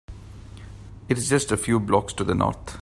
It’s just a few blocks to the North.